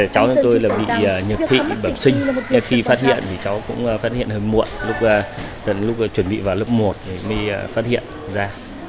cháu tôi là bị nhập thị bẩm sinh khi phát hiện thì cháu cũng phát hiện hơi muộn lúc chuẩn bị vào lớp một mới phát hiện ra